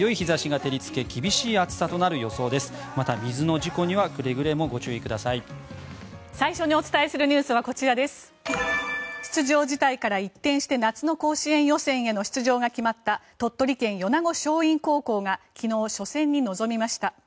出場辞退から一転して夏の甲子園予選への出場が決まった鳥取県、米子松蔭高校が昨日、初戦に臨みました。